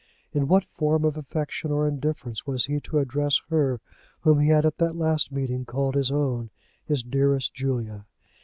In what form of affection or indifference was he to address her whom he had at that last meeting called his own, his dearest Julia?